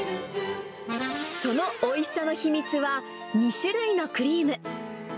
そのおいしさの秘密は、２種類のクリーム。